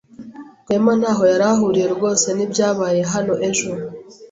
Rwema ntaho yari ahuriye rwose nibyabaye hano ejo.